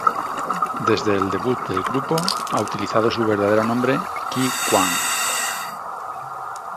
Desde el debut del grupo, ha utilizado su verdadero nombre "Ki Kwang".